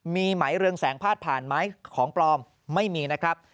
มีไหมเรืองแสงพาดผ่านไหมของปลอมไม่มีนะครับ